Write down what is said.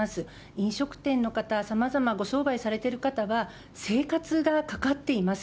飲食店の方、さまざまご商売されている方は、生活がかかっています。